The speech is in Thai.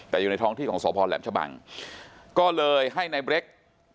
แต่อยู่ในท้องที่ของสพแหลมชะบังก็เลยให้นายมิทรวล์รุ่นน่ะ